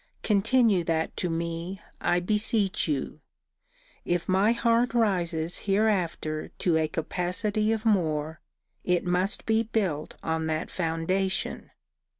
Continue that to me, I beseech you. If my heart rises hereafter to a capacity of more, it must be built on that foundation.